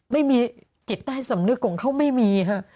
ไม่มีจิตใต้สำนึกของเขาไม่มีค่ะ